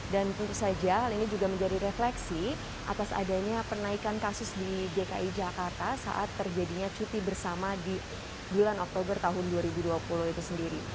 dan tentu saja hal ini juga menjadi refleksi atas adanya penaikan kasus di dki jakarta saat terjadinya cuti bersama di bulan oktober tahun dua ribu dua puluh itu sendiri